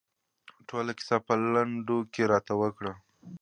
ټوله کیسه په لنډو کې راته وکړه.